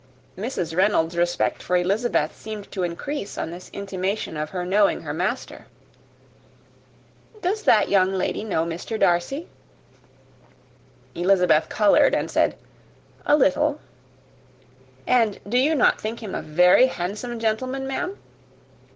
Mrs. Reynolds' respect for Elizabeth seemed to increase on this intimation of her knowing her master. "Does that young lady know Mr. Darcy?" Elizabeth coloured, and said, "A little." "And do not you think him a very handsome gentleman, ma'am?"